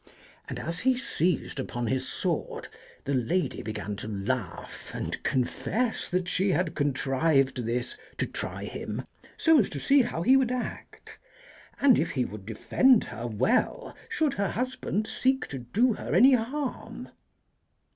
And as he seized ujxm his sword the lady began to laugh and confess that she had contrived this to try him so as to see how he would act, and if he would defend her well should her husband seek to do her any harm.